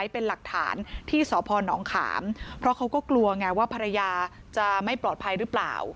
เป็นหลักฐานที่สพนขามเพราะเขาก็กลัวไงว่าภรรยาจะไม่ปลอดภัยหรือเปล่า